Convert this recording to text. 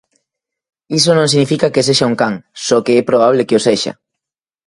Iso non significa que sexa un can, só que é probable que o sexa.